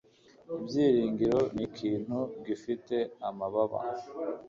Ibyiringiro nikintu gifite amababa